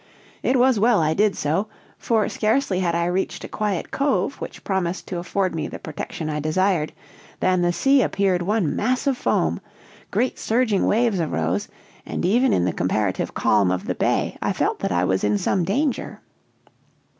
"It was well I did so; for, scarcely had I reached a quiet cove which promised to afford me the protection I desired than the sea appeared one mass of foam: great surging waves arose; and even in the comparative calm of the bay I felt that I was in some danger.